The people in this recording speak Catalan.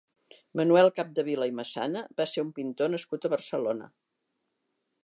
Manuel Capdevila i Massana va ser un pintor nascut a Barcelona.